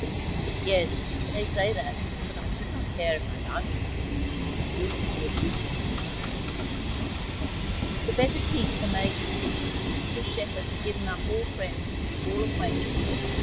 'Yes, they say that but I should not care if I liked her, if I knew her to be a good woman now.' To better keep the Major's secret, Mrs Shepherd had given up all friends, all acquaintance.